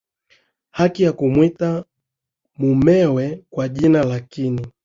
haki ya kumwita mumewe kwa jina lakini